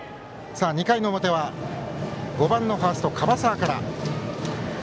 ２回の表は５番のファースト、椛澤から。